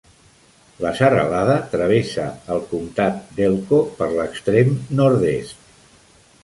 La serralada travessa el comtat d'Elko per l'extrem nord-est.